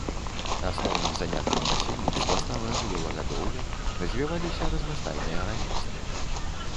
Асноўным заняткам насельніцтва стала жывёлагадоўля, развіваліся разнастайныя рамёствы.